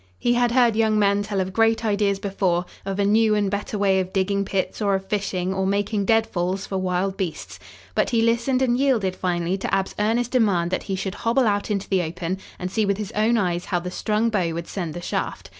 He had heard young men tell of great ideas before, of a new and better way of digging pits, or of fishing, or making deadfalls for wild beasts. But he listened and yielded finally to Ab's earnest demand that he should hobble out into the open and see with his own eyes how the strung bow would send the shaft.